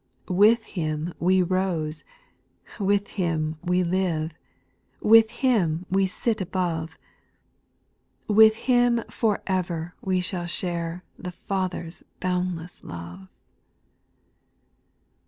6. With Him we rose, with Him we live, With Him we sit above ; With Him for ever w^e shall share The Father's boundless love.